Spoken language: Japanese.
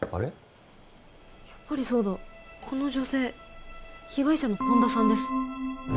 やっぱりそうだこの女性被害者の本田さんです